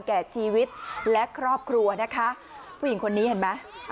แก่ชีวิตและครอบครัวนะคะผู้หญิงคนนี้เห็นไหม